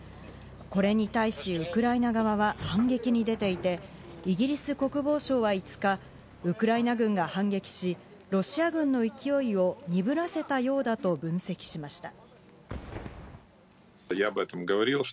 これに対しウクライナ側は反撃に出ていて、イギリス国防省は５日、ウクライナ軍が反撃し、ロシア軍の勢いを鈍らせたようだと分析しました。